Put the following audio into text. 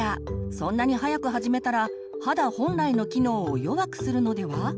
そんなに早く始めたら肌本来の機能を弱くするのでは？